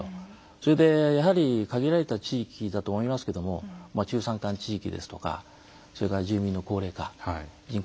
それでやはり限られた地域だと思いますけども中山間地域ですとか住民の高齢化人口減少